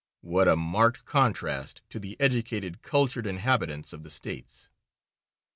What a marked contrast to the educated, cultured inhabitants of the States.